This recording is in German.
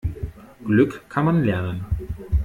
Glück kann man lernen.